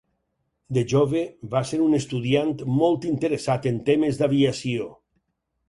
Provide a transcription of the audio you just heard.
De jove, va ser un estudiant molt interessat en temes d'aviació.